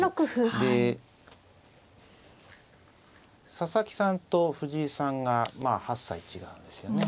で佐々木さんと藤井さんがまあ８歳違うんですよね。